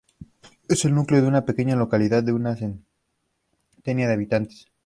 Es el núcleo de una pequeña localidad de una centena de habitantes.